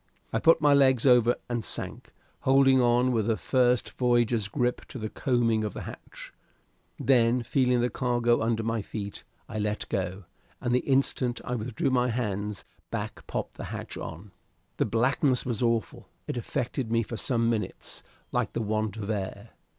I put my legs over and sank, holding on with a first voyager's grip to the coaming of the hatch; then, feeling the cargo under my feet, I let go, and the instant I withdrew my hands, Back popped the hatch on. The blackness was awful. It affected me for some minutes like the want of air.